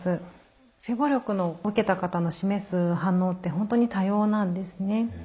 性暴力を受けた方の示す反応って本当に多様なんですね。